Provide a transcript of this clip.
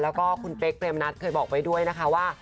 แล้วก็คุณเป๊กเปรมนัดเคยบอกไว้ด้วยนะคะว่า